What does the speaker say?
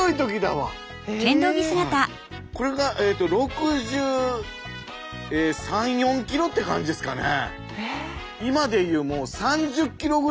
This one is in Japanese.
これが６３６４ｋｇって感じですかね。